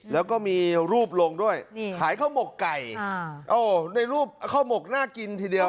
แล้วก็มีรูปลงด้วยขายข้าวหมกไก่ในรูปข้าวหมกน่ากินทีเดียว